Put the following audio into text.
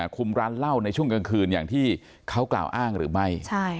ร้านเหล้าในช่วงกลางคืนอย่างที่เขากล่าวอ้างหรือไม่